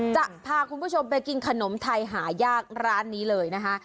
จะพาคุณผู้ชมไปกินขนมไทยหายากร้านนี้เลยนะคะ